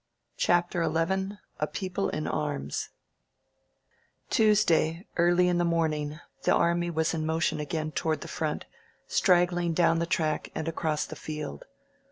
CHAPTER XI AN OUTPOST IN ACTION TUESDAY, early in the morning, the army was in motion again toward the front, straggling down the track and across the field.